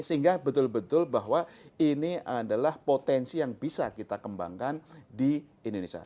sehingga betul betul bahwa ini adalah potensi yang bisa kita kembangkan di indonesia